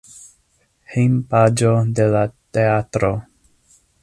Hejmpaĝo de la teatro.